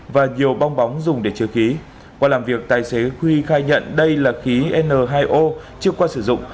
và nhiều bong bóng dùng để chứa khí qua làm việc tài xế huy khai nhận đây là khí n hai o chưa qua sử dụng